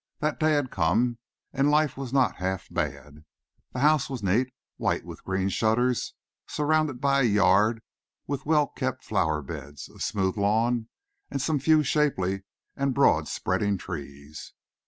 That day had come, and life was not half bad. Their house was neat, white with green shutters, surrounded by a yard with well kept flower beds, a smooth lawn, and some few shapely and broad spreading trees.